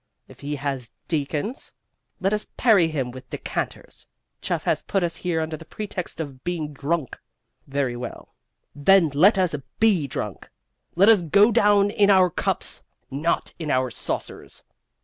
If he has deacons, let us parry him with decanters. Chuff has put us here under the pretext of being drunk. Very well: then let us BE drunk. Let us go down in our cups, not in our saucers.